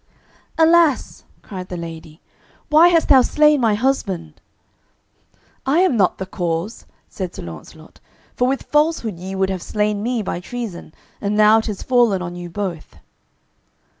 "Alas," cried the lady, "why hast thou slain my husband?" "I am not the cause," said Sir Launcelot, "for with falsehood ye would have slain me by treason, and now it is fallen on you both."